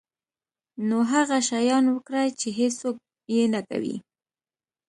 نو هغه شیان وکړه چې هیڅوک یې نه کوي.